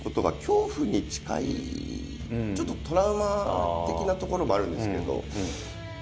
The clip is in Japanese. ちょっとトラウマ的なところもあるんですけど。